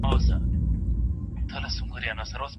که دا یوازې یوه تصادفي حساسیت وای؛